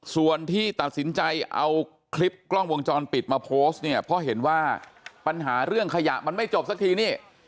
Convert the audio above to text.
ส่วนที่ตัดสินใจเอาคลิปกล้องวงจรปิดมาโพสต์เนี่ยเพราะเห็นว่าปัญหาเรื่องขยะมันไม่จบสักทีนี่